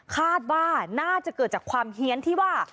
คาดว่าน่าจะเกิดจากความเฮียนที่ว่า